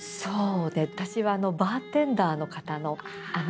私はあのバーテンダーの方のあの声。